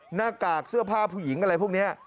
หน้ากากเสื้อผ้าผู้หญิงอะไรพวกนี้